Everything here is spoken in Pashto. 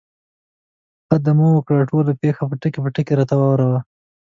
ښه، ادامه ورکړه، ټوله پېښه ټکي په ټکي راته واوره وه.